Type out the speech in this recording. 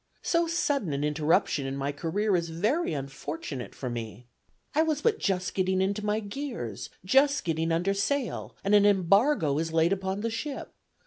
So sudden an interruption in my career is very unfortunate for me. I was but just getting into my gears, just getting under sail, and an embargo is laid upon the ship.